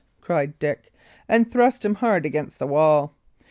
cried Dick, and thrust him hard against the wall.